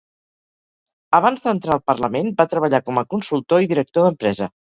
Abans d'entrar al Parlament, va treballar com a consultor i director d'empresa.